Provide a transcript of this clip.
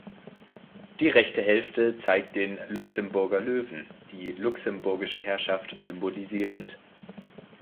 Die rechte Hälfte zeigt den „Luxemburger Löwen“, die luxemburgische Herrschaft symbolisierend.